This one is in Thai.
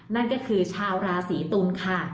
นั่นก็คือชาวราศีตุลค่ะ